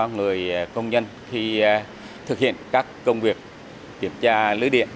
người công nhân khi thực hiện các công việc kiểm tra lưới điện